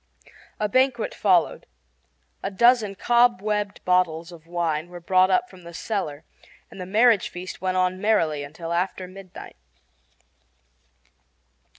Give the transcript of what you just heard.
A banquet followed. A dozen cobwebbed bottles of wine were brought up from the cellar, and the marriage feast went on merrily until after midnight.